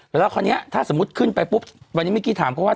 แล้วคราวนี้ถ้าสมมุติขึ้นไปปุ๊บวันนี้เมื่อกี้ถามเขาว่า